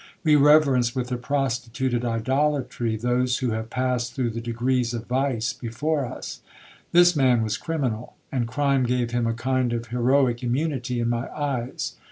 We reverence, with a prostituted idolatry, those who have passed through the degrees of vice before us. This man was criminal, and crime gave him a kind of heroic immunity in my eyes.